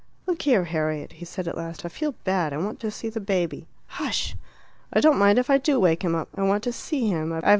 "Look here, Harriet," he said at last, "I feel bad; I want to see the baby." "Hush!" "I don't mind if I do wake him up. I want to see him.